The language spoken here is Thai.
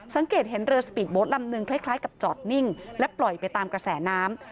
สังเกตเห็นเรือสปีดโบ๊ทลำนึงคล้ายกับจอดนิ่งและปล่อยไปตามกระแสน้ำ